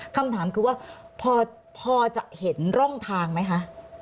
คำถามคือว่าพอจะเห็นร่องทางไหมคะ